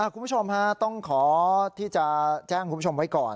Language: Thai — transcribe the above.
คุณผู้ชมต้องขอที่จะแจ้งคุณผู้ชมไว้ก่อน